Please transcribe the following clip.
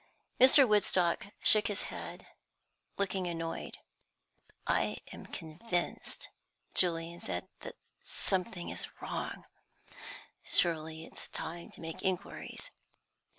Mr. Woodstock shook his head, looking annoyed. "I am convinced," Julian said, "that something is wrong. Surely it's time to make inquiries."